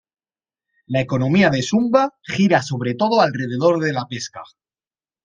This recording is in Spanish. La economía de Sumba gira sobre todo alrededor de la pesca.